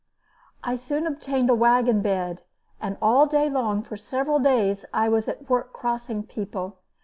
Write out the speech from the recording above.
I soon obtained a wagon bed, and all day long for several days I was at work crossing people.